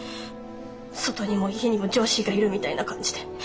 外にも家にも上司がいるみたいな感じで。